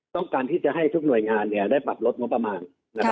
ต้องการที่จะให้ทุกหน่วยงานได้ปรับลดงบประมาณ